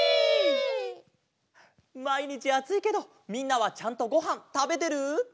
まいにちあついけどみんなはちゃんとごはんたべてる？